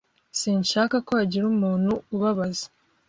Sinshaka ko hagira umuntu ubabaza